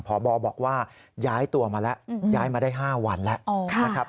พบบอกว่าย้ายตัวมาแล้วย้ายมาได้๕วันแล้ว